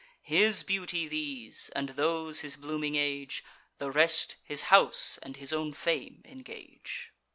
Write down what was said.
His beauty these, and those his blooming age, The rest his house and his own fame engage.